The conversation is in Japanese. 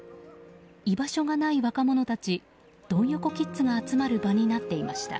居場所がない若者たちドン横キッズが集まる場になっていました。